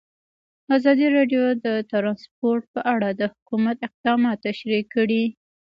ازادي راډیو د ترانسپورټ په اړه د حکومت اقدامات تشریح کړي.